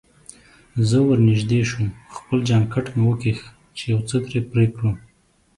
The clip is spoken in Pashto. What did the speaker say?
زه ورنژدې شوم، خپل جانکټ مې وکیښ چې یو څه ترې پرې کړم.